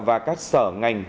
và các sở ngành